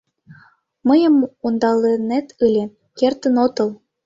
— Мыйым ондалынет ыле, кертын отыл!